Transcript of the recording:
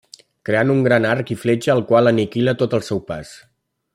Creant un gran arc i fletxa el qual aniquila tot al seu pas.